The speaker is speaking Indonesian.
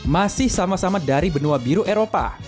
masih sama sama dari benua biru eropa